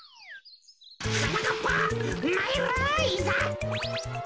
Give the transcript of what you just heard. はなかっぱまいるいざ！